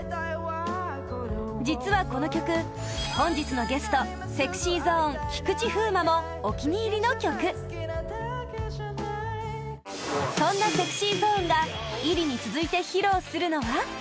実はこの曲、本日のゲスト ＳｅｘｙＺｏｎｅ 菊池風磨もお気に入りの曲そんな ＳｅｘｙＺｏｎｅ が ｉｒｉ に続いて披露するのは